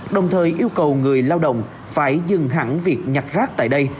đồng thời yêu cầu người lao động phải dừng hẳn việc nhặt rác tại đây